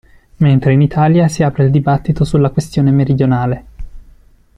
Mentre in Italia si apre il dibattito sulla questione meridionale.